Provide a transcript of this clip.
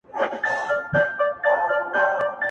څو کوتري یې وې ښکار لره روزلي -